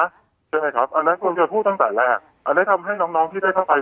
ใช่ไหมครับอันนั้นควรจะพูดตั้งแต่แรกอันนั้นทำให้น้องน้องที่ได้เข้าไป